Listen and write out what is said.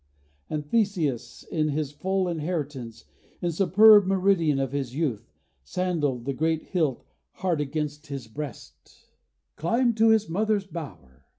And Theseus, in his full inheritance, In the superb meridian of his youth, Sandalled, the great hilt hard against his breast, Climbed to his mother's bower.